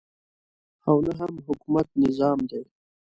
او نه هم حکومت نظام دی.